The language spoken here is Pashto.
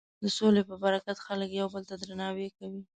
د سولې په برکت خلک یو بل ته درناوی کوي.